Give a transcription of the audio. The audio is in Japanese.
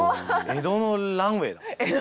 江戸のランウェイ。